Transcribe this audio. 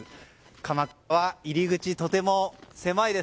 かまくらは入り口、とても狭いです。